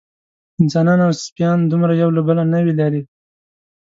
انسانان او سپیان دومره یو له بله نه وي لېرې.